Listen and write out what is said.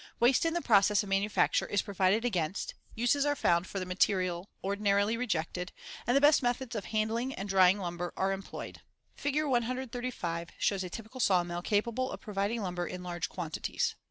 Waste in the process of manufacture is provided against, uses are found for the material ordinarily rejected, and the best methods of handling and drying lumber are employed. Fig. 135 shows a typical sawmill capable of providing lumber in large quantities.